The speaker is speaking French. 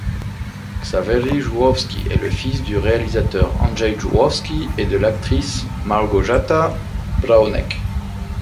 Xawery Żuławski est le fils du réalisateur Andrzej Żuławski et de l'actrice Małgorzata Braunek.